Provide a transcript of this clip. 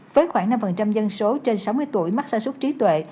với khoảng năm dân số trên sáu mươi tuổi mắc sản xuất trí tuệ